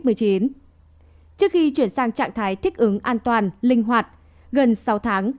trước khi chuyển sang trạng thái thích ứng an toàn linh hoạt gần sáu tháng